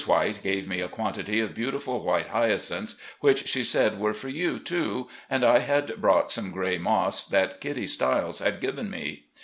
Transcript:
White gave me a quantity of beautiful white hyacinths, which she said were for you, too, and I had brought some gray moss that Kitty Stiles had given me.